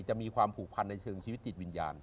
จะมีความผูกพันในเชิงชีวิตจิตวิญญาณ